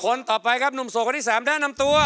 คนต่อไปครับหนุ่มโสดคนที่๓แนะนำตัว